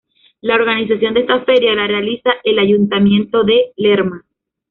La organización de esta Feria la realiza el Ayuntamiento de Lerma.